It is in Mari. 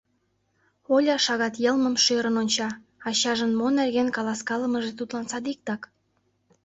Оля шагат йылмым шӧрын онча — ачажын мо нерген каласкалымыже тудлан садиктак.